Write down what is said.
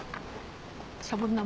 シャボン玉？